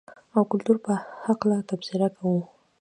او کلتور په حقله تبصره کوو.